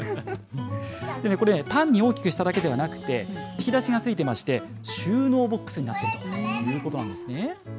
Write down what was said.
これね、単に大きくしただけではなくて、引き出しがついてまして、収納ボックスになっているということなんですね。